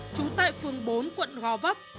trú tại phường bốn quận gò vấp